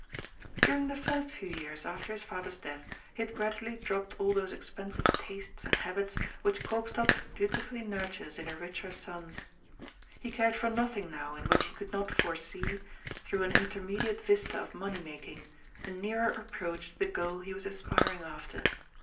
During the first few years after his father's death he had gradually dropped all those expensive tastes and habits which Koopstad dutifully nurtures in her richer sons. He cared for nothing now in which he could not foresee, through an intermediate vista of money making, a nearer approach to the goal he was aspiring after.